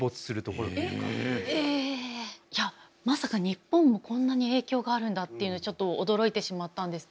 いやまさか日本もこんなに影響があるんだっていうのはちょっと驚いてしまったんですけど。